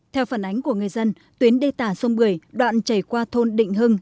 theo phản ánh của người dân tuyến đê tả sông bưởi đoạn chảy qua thôn định hưng